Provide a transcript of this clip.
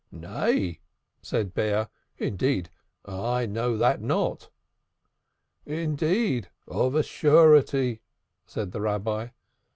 "Nay," said Bear, "indeed, I know not that." "Yea, of a surety," said the Rabbi.